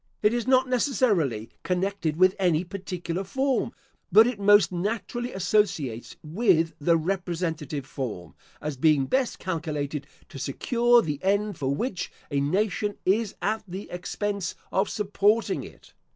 It is not necessarily connected with any particular form, but it most naturally associates with the representative form, as being best calculated to secure the end for which a nation is at the expense of supporting it.